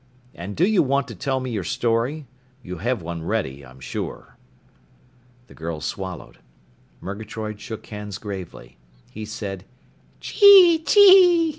And do you want to tell me your story? You have one ready, I'm sure." The girl swallowed. Murgatroyd shook hands gravely. He said, "_Chee chee!